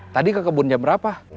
tadi ke kebun jam berapa